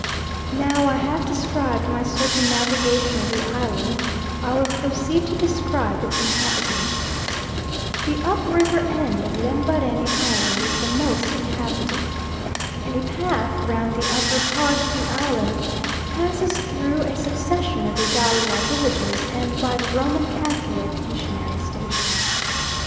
Now I have described my circumnavigation of the island, I will proceed to describe its inhabitants. The up river end of Lembarene Island is the most inhabited. A path round the upper part of the island passes through a succession of Igalwa villages and by the Roman Catholic missionary station.